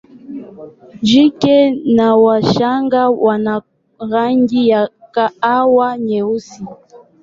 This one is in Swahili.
Jike na wachanga wana rangi ya kahawa nyeusi.